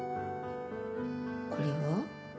これは？